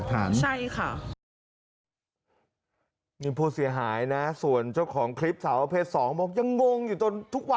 เขาจะมีส่วนเมาด้วยค่ะ